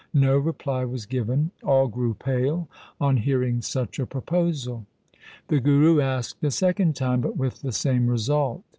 No reply was given. All grew pale on hearing such a proposal. The Guru asked a second time, but with the same result.